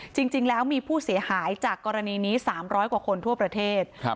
จริงแล้วมีผู้เสียหายจากกรณีนี้๓๐๐กว่าคนทั่วประเทศ